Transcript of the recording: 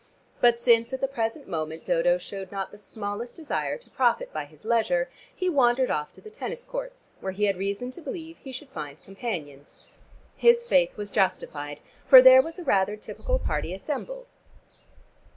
But since, at the present moment, Dodo showed not the smallest desire to profit by his leisure, he wandered off to the tennis courts, where he had reason to believe he should find companions. His faith was justified, for there was a rather typical party assembled.